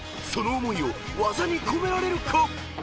［その思いを技に込められるか？］